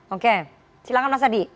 oke silahkan mas adi